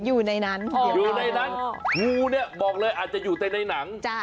อยู่ในนั้นงูบอกเลยอาจจะอยู่ในหนัง